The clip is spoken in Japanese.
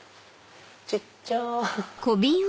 小っちゃい！